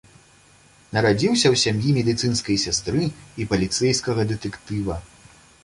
Нарадзіўся ў сям'і медыцынскай сястры і паліцэйскага дэтэктыва.